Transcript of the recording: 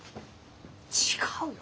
違うよ！